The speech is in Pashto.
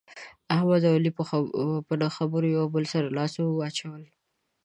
احمد او علي په نه خبره یو له بل سره لاس واچولو.